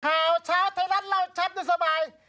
ข่าวเช้าไทยรัฐเล่าชัดได้สบาย